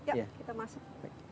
ya kita masuk